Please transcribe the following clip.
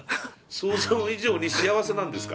想像以上に幸せなんですか。